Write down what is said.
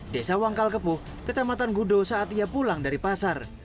desa wangkal kepuh kecamatan gudo saat ia pulang dari pasar